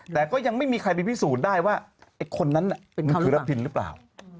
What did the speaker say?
แต่ก็ยังไม่มีใครไปพิสูจน์ได้ว่าไอ้คนนั้นมันคือระพินหรือเปล่า